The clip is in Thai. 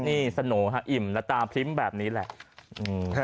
นี่ระอิ่มและตาพิมพ์แบบนี้แหละอืม